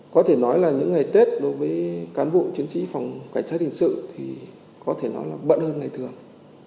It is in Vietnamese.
có thể nói là những ngày tết đối với cán bộ chiến sĩ phòng cảnh sát hình sự thì có thể nói là bận hơn ngày thường